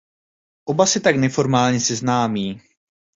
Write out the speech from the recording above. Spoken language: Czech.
Oba se tak neformálně seznámí.